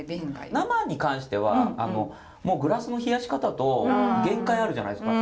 生に関してはもうグラスの冷やし方と限界あるじゃないですか。